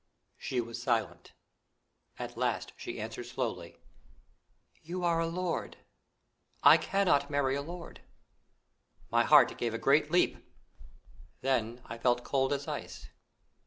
She was silent; at last she answered slowly: "You are a lord! I cannot marry a lord." My heart gave a great leap, then I felt cold as ice.